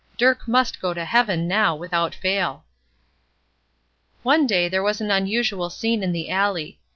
Dirk must go to heaven now without fail. One day there was an unusual scene in the alley.